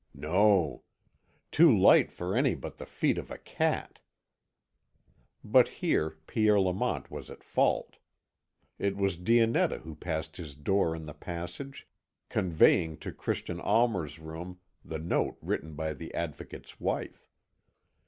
No. Too light for any but the feet of a cat!" But here Pierre Lamont was at fault. It was Dionetta who passed his door in the passage, conveying to Christian Almer's room the note written by the Advocate's wife.